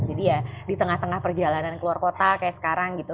ya di tengah tengah perjalanan keluar kota kayak sekarang gitu